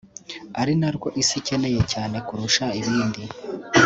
ari narwo Isi ikeneye cyane kurusha ibindi